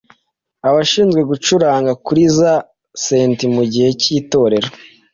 Abashinzwe gucuranga kuri za sites mu gihe cy itora